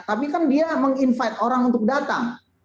tapi kan dia meng invite orang untuk datang